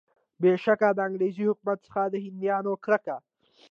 بېشکه د انګریز حکومت څخه د هندیانو کرکه.